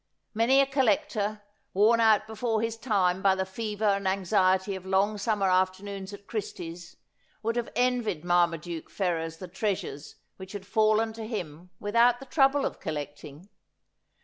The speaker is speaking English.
Many a collector, worn out before his time by the fever and anxiety of long summer afternoons at Christie's, would have envied Marmaduke Ferrers the treasures which had fallen to him without the trouble of collecting.